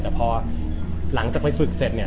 แต่พอหลังจากไปฝึกเสร็จเนี่ย